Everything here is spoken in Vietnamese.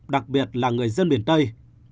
đặc biệt là người dân miền tây